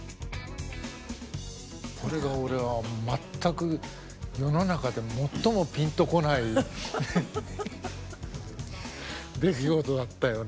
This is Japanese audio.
これが俺は全く世の中で最もピンとこない出来事だったよね。